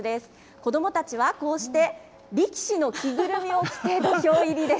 子どもたちは、こうして力士の着ぐるみを着て、土俵入りです。